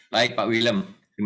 baik pak wilm